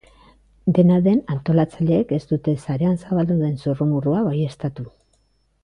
Dena den, antolatzaileek ez dute sarean zabaldu den zurrumurrua baieztatu.